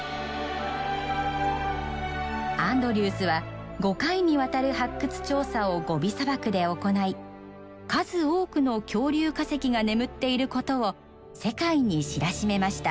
アンドリュースは５回にわたる発掘調査をゴビ砂漠で行い数多くの恐竜化石が眠っていることを世界に知らしめました。